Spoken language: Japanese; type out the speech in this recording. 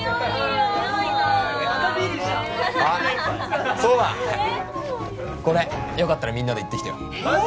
あっそうだこれよかったらみんなで行ってきてよマジで？